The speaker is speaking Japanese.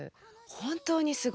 本当にすごい。